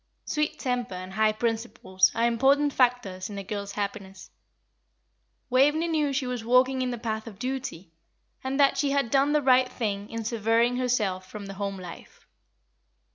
Sweet temper, and high principles, are important factors in a girl's happiness. Waveney knew she was walking in the path of duty, and that she had done the right thing in severing herself from the home life.